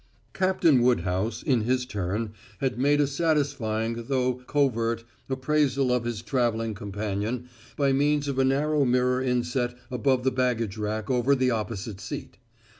Captain Woodhouse, in his turn, had made a satisfying, though covert, appraisal of his traveling companion by means of a narrow mirror inset above the baggage rack over the opposite seat.